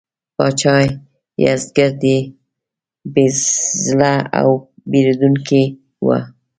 پاچا یزدګُرد بې زړه او بېرندوکی و.